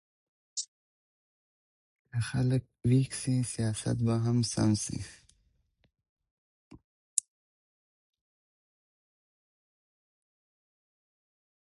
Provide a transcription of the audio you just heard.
که خلګ ويښ سي سياست به هم سم سي.